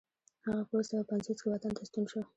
هغه په اوه سوه پنځوس کې وطن ته ستون شو.